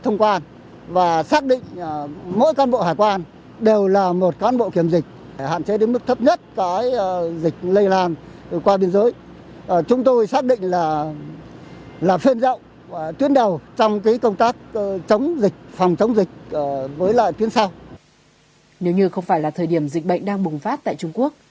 nếu như không phải là thời điểm dịch bệnh đang bùng phát tại trung quốc